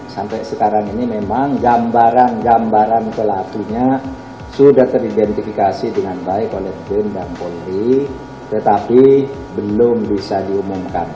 sampai sekarang ini memang gambaran gambaran pelakunya sudah teridentifikasi dengan baik oleh tim dan polri tetapi belum bisa diumumkan